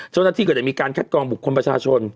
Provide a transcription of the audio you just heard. เจ้าหน้าที่ก็ได้มีการคัดกรองบุคคลประชาชน